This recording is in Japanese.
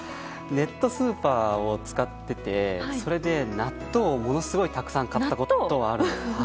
ネットスーパーを使っていてそれで、納豆をものすごいたくさん買ったことがあるんです。